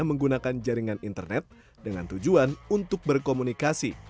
menggunakan jaringan internet dengan tujuan untuk berkomunikasi